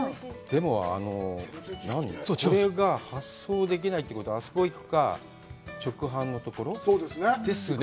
でもこれが発送できないということはあそこに行くか、直販のところ？ですね。